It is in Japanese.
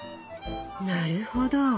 なるほど。